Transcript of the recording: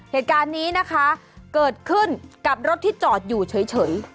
เหตุการณ์นี้นะคะเกิดขึ้นกับรถที่จอดอยู่เฉย